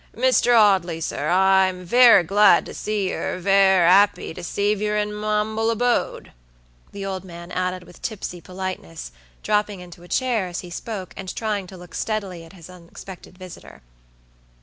Mr. Audley, sir, I'm ver' glad to see yer; ver' 'appy to 'ceive yer in m' humbl' 'bode," the old man added with tipsy politeness, dropping into a chair as he spoke, and trying to look steadily at his unexpected visitor.